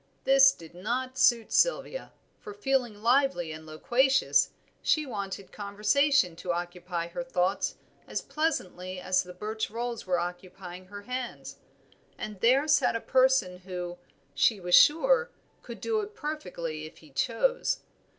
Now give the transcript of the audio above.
This did not suit Sylvia, for feeling lively and loquacious she wanted conversation to occupy her thoughts as pleasantly as the birch rolls were occupying her hands, and there sat a person who, she was sure, could do it perfectly if he chose.